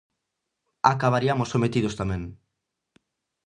Acabariamos sometidos tamén.